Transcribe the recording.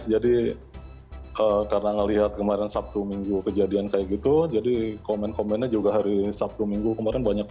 jadi karena melihat kemarin sabtu minggu kejadian kayak gitu jadi komen komennya juga hari sabtu minggu kemarin banyak